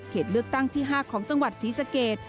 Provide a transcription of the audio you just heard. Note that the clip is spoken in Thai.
เขตเลือกตั้งที่๕ของจังหวัดสีสะเกด